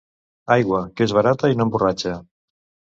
Aigua, que és barata i no emborratxa.